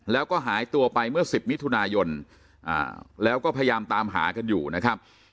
แล้วก็หายตัวไปเมื่อ๑๐มิถุนายนแล้วก็พยายามตามหากันอยู่นะครับ